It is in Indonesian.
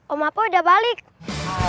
om apoy udah balik kan